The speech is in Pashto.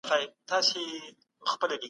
مي په ياد كـي نـــه دي